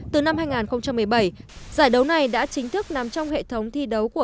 từ năm hai nghìn một mươi bảy giải đấu này đã chính thức nằm trong hệ thống thi đấu của